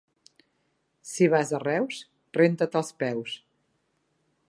Si vas a Reus, renta't els peus.